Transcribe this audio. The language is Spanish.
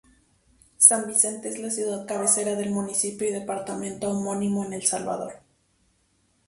San Vicente es la ciudad cabecera del municipio y departamento homónimos en El Salvador.